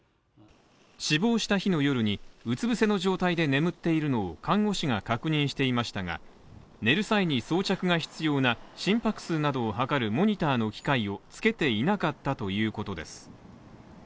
死亡した日の夜にうつぶせの状態で眠っているのを看護師が確認していましたが、寝る際に装着が必要な心拍数などを測るモニターの機械を着けていなかったということです。